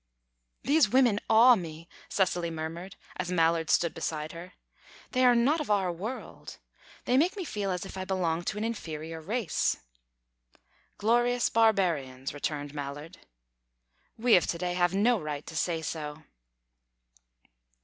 "These women awe me," Cecily murmured, as Mallard stood beside her. "They are not of our world. They make me feel as if I belonged to an inferior race." "Glorious barbarians," returned Mallard. "We of to day have no right to say so."